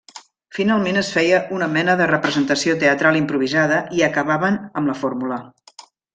Finalment es feia una mena de representació teatral improvisada i acabaven amb la fórmula.